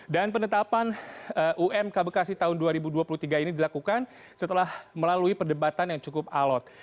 dan penetapan umk bekasi tahun dua ribu dua puluh tiga ini dilakukan setelah melalui perdebatan yang cukup alot